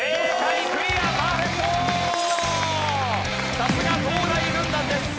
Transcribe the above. さすが東大軍団です。